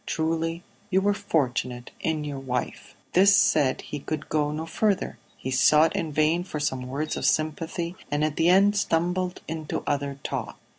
Truly you were fortunate in your wife." This said, he could go no further; he sought in vain for some words of sympathy, and at the end stumbled into other talk.